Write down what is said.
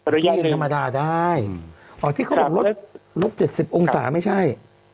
แยกกันธรรมดาได้อ๋อที่เขาบอกลด๗๐องศาไม่ใช่